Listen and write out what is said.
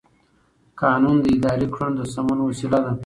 قانون د اداري کړنو د سمون وسیله ده.